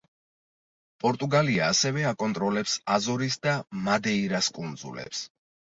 პორტუგალია ასევე აკონტროლებს აზორის და მადეირას კუნძულებს.